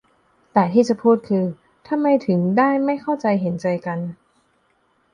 แต่ที่จะพูดคือ ทำไมถึงได้ไม่เข้าใจเห็นใจกัน